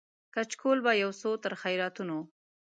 کچکول به یوسو تر خیراتونو